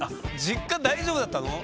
実家大丈夫だったの？